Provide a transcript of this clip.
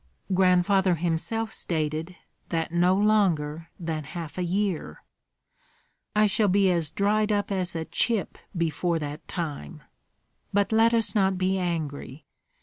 "Grandfather himself stated that no longer than half a year." "I shall be as dried up as a chip before that time. But let us not be angry.